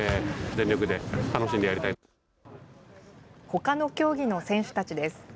ほかの競技の選手たちです。